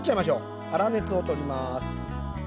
粗熱を取ります。